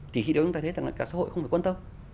thì khi đó chúng ta thấy rằng cả xã hội không phải quan tâm